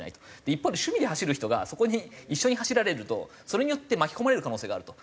一方で趣味で走る人がそこに一緒に走られるとそれによって巻き込まれる可能性があると。